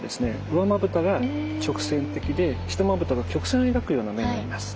上まぶたが直線的で下まぶたが曲線を描くような目になります。